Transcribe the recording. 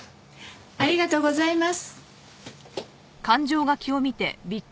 ありがとうございます。